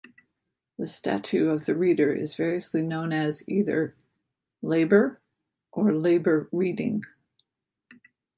The statue of the reader is variously known as either "Labor" or "Labor Reading".